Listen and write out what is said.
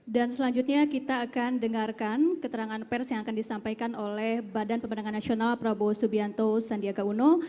dan selanjutnya kita akan dengarkan keterangan pers yang akan disampaikan oleh badan pembenangan nasional prabowo subianto sandiaga uno